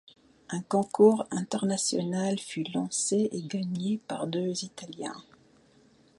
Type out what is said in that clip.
Un concours international fut lancé et gagné par deux Italiens.